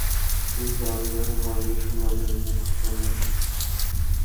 তিনি দল নির্বাচকমণ্ডলীর সুনজরে ছিলেন না।